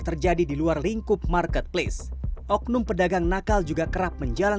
celah penipuan belanja online lainnya juga banyak